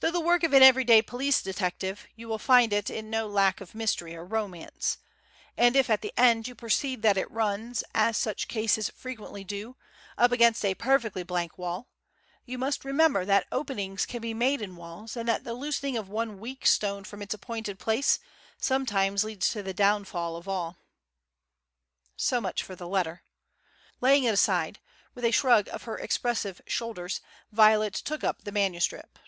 Though the work of an everyday police detective, you will find in it no lack of mystery or romance; and if at the end you perceive that it runs, as such cases frequently do, up against a perfectly blank wall, you must remember that openings can be made in walls, and that the loosening of one weak stone from its appointed place, sometimes leads to the downfall of all. So much for the letter. Laying it aside, with a shrug of her expressive shoulders, Violet took up the manuscript.